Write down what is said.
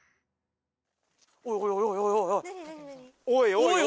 おいおい